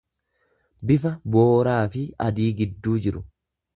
bifa booraafi adii gidduu jiru.